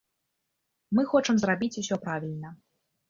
Мы хочам зрабіць усё правільна!